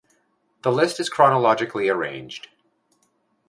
The list is chronologically arranged.